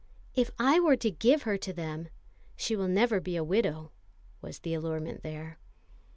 "If I give her to them, she will never be a widow," was the allurement there.